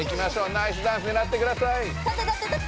ナイスダンスねらってください！